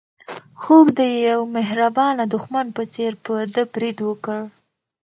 خوب د یو مهربانه دښمن په څېر په ده برید وکړ.